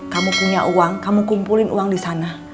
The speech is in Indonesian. kamu punya uang kamu kumpulin uang di sana